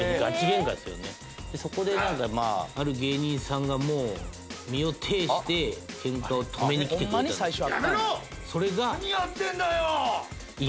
そこでまあある芸人さんが身をていしてケンカを止めに来てくれたんですよ。